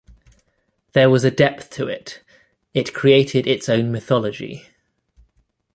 There was a depth to it: it created its own mythology.